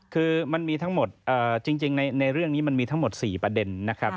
คือมันมีทั้งหมดจริงในเรื่องนี้มันมีทั้งหมด๔ประเด็นนะครับ